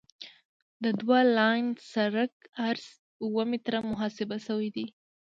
د دوه لاین سرک عرض اوه متره محاسبه شوی دی